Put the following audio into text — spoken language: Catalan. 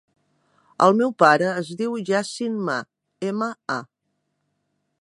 El meu pare es diu Yassin Ma: ema, a.